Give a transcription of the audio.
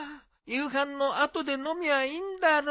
夕飯の後で飲みゃいいんだろ？